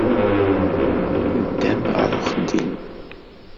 Teddam ɣer uxeddim.